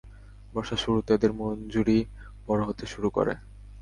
বর্ষার শুরুতে এদের মঞ্জুরি বড় হতে শুরু করে।